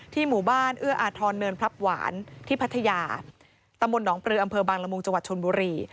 หมู่บ้านเอื้ออาทรเนินพลับหวานที่พัทยาตำบลหนองปลืออำเภอบางละมุงจังหวัดชนบุรี